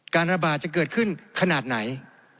การระบาดจะเกิดขึ้นขนาดไหน